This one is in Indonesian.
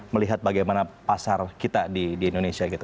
melihat bagaimana pasar kita di indonesia gitu